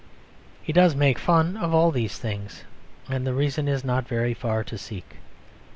He does make fun of all these things; and the reason is not very far to seek.